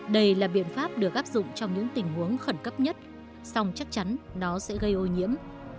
đây là biện pháp được áp dụng trong những tình huống khẩn cấp nhất song chắc chắn nó sẽ gây ô nhiễm